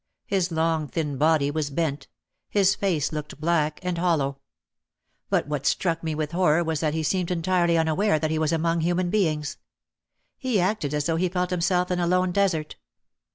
His long thin body was bent. His face looked black and hollow. But what struck me with horror was that he seemed entirely unaware that he was among human beings. He acted as though he felt himself in a lone desert.